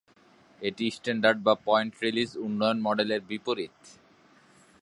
এটি "স্ট্যান্ডার্ড" বা "point release" উন্নয়ন মডেলের বিপরীত।